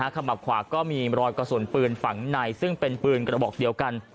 ขมับขวาก็มีรอยกระสุนปืนฝังในซึ่งเป็นปืนกระบอกเดียวกัน